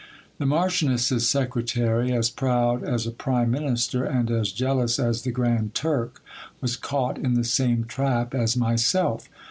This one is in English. The marchioness's secretary, as proud as a prime minister, and as jealous as the Grand Turk, was caught in the same trap as myself.